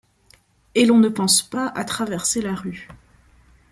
Et l'on ne pense pas à traverser la rue ;